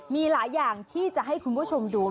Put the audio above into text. มีหลายอย่างที่จะให้คุณผู้ชมดู